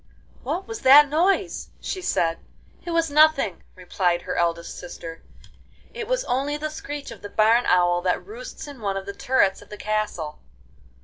'What was that noise?' she said. 'It was nothing,' replied her eldest sister; 'it was only the screech of the barn owl that roosts in one of the turrets of the castle.